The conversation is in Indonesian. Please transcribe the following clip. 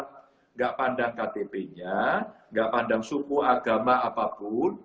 tidak pandang ktp nya nggak pandang suku agama apapun